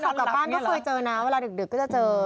คือผมป่าวบ้านก็เคยเจอนะเวลาดึกก็จะเจอ